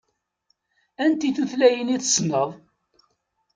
Anti tutlayin i tessneḍ?